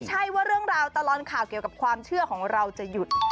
ใช่ว่าเรื่องราวตลอดข่าวเกี่ยวกับความเชื่อของเราจะหยุด